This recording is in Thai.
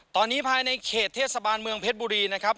ตอนนี้ภายในเขตเทศบาลเมืองเพชรบุรีนะครับ